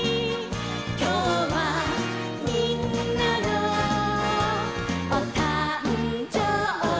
「きょうはみんなのおたんじょうび」